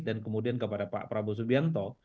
dan kemudian kepada pak prabowo subianto